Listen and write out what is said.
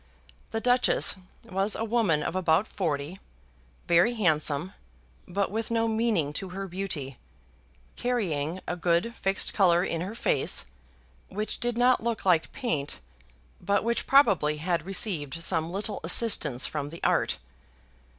The Duchess was a woman of about forty, very handsome, but with no meaning in her beauty, carrying a good fixed colour in her face, which did not look like paint, but which probably had received some little assistance from art.